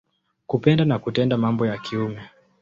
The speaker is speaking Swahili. Kupenda na kutenda mambo ya kiume.